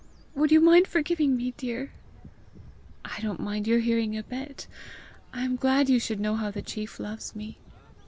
Would you mind forgiving me, dear?" "I don't mind your hearing a bit. I am glad you should know how the chief loves me!"